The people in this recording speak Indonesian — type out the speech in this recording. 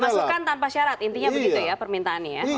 masukkan tanpa syarat intinya begitu ya permintaannya ya